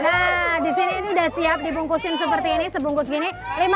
nah disini ini udah siap dibungkusin seperti ini sebungkus gini